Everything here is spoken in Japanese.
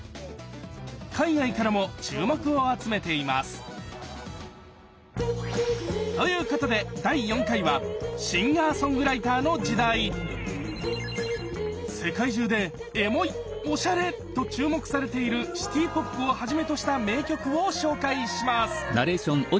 海外からも注目を集めています！ということで世界中で「エモい」「おしゃれ」と注目されているシティーポップをはじめとした名曲を紹介します。